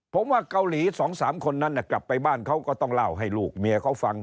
ผมว่าเกาหลี๒๓คนนั้นกลับไปบ้านเขาก็ต้องเล่าให้ลูกเมียเขาฟัง